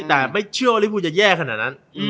แต่ไม่เชื่อว่าลิภูจะแย่ขนาดนั้น